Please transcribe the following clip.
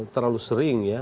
terlalu sering ya